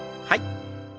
はい。